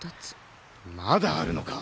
まだあるのか。